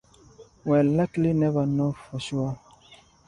We'll likely never know for sure.